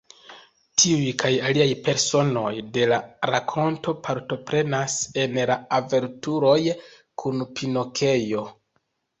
Tiuj kaj aliaj personoj de la rakonto partoprenas en la aventuroj kun Pinokjo.